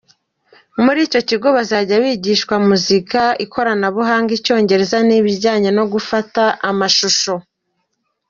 Muri icyo kigo bazajya bigishwa muzika, ikoranabuhanga, icyongereza n’ibijyanye no gufata amashusho.